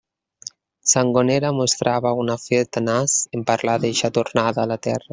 Sangonera mostrava una fe tenaç en parlar d'eixa tornada a la Terra.